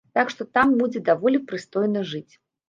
Так што там будзе даволі прыстойна жыць.